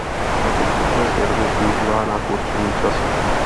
Tato schopnost je rovněž využívána k určení času.